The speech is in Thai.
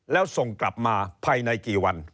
แล้วส่งกลับมาภายในกี่วัน